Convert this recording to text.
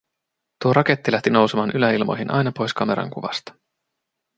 Tuo raketti lähti nousemaan yläilmoihin aina pois kameran kuvasta.